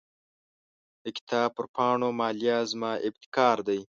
د کتاب پر پاڼو مالیه زما ابتکار دی.